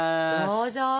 どうぞ。